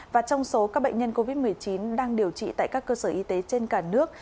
và trong số các bệnh nhân covid một mươi chín đang điều trị tại các cơ sở y tế trên cả nước